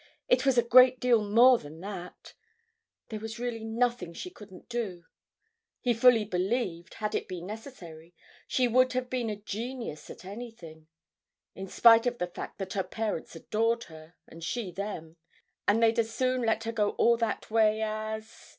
—it was a great deal more than that, there was really nothing she couldn't do; he fully believed, had it been necessary, she would have been a genius at anything—in spite of the fact that her parents adored her, and she them, and they'd as soon let her go all that way as....